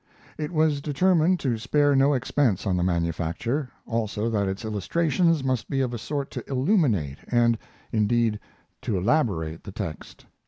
It was determined to spare no expense on the manufacture, also that its illustrations must be of a sort to illuminate and, indeed, to elaborate the text.